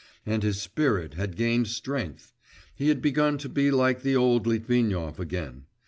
And his spirit had gained strength; he had begun to be like the old Litvinov again.